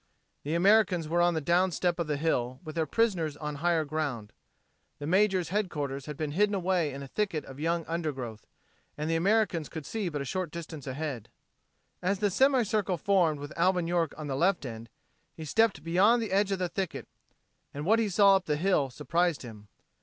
The Americans were on the downstep of the hill with their prisoners on the higher ground. The major's headquarters had been hidden away in a thicket of young undergrowth, and the Americans could see but a short distance ahead. As the semicircle formed with Alvin York on the left end, he stepped beyond the edge of the thicket and what he saw up the hill surprized him.